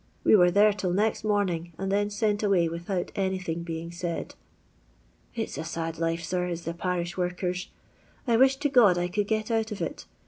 We were there till next mornings and then sent away without anything being said. " It 's a sad life, sir, is a parish worker's. I wish to God I could get out of it.